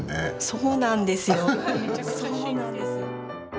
そうなんですよ。